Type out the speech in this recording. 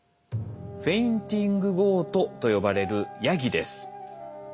フェインティングゴートと呼ばれるヤギです。